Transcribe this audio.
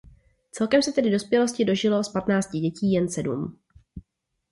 Celkem se tedy dospělosti dožilo z patnácti dětí jen sedm.